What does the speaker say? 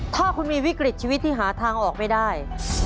ถ้าคุณมีวิกฤตชีวิตที่หาทางออกไม่ได้